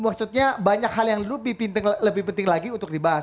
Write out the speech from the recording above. maksudnya banyak hal yang lebih penting lagi untuk dibahas